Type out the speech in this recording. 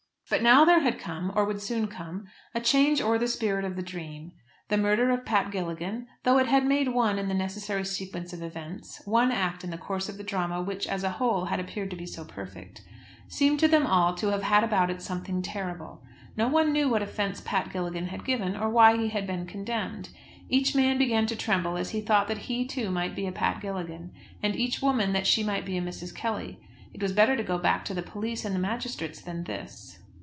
But now there had come, or would soon come, a change o'er the spirit of the dream. The murder of Pat Gilligan, though it had made one in the necessary sequence of events, one act in the course of the drama which, as a whole, had appeared to be so perfect, seemed to them all to have about it something terrible. No one knew what offence Pat Gilligan had given, or why he had been condemned. Each man began to tremble as he thought that he too might be a Pat Gilligan, and each woman that she might be a Mrs. Kelly. It was better to go back to the police and the magistrates than this!